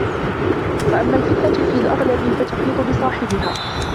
فَأَمَّا الْفِتْنَةُ فِي الْأَغْلَبِ فَتُحِيطُ بِصَاحِبِهَا